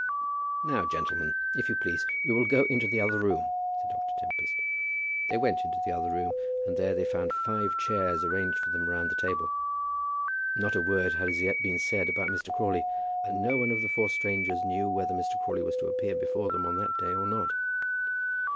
"Now, gentlemen, if you please, we will go into the other room," said Dr. Tempest. They went into the other room, and there they found five chairs arranged for them round the table. Not a word had as yet been said about Mr. Crawley, and no one of the four strangers knew whether Mr. Crawley was to appear before them on that day or not.